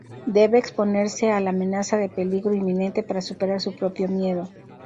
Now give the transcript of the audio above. Debe exponerse a la amenaza de peligro inminente para superar su propio miedo.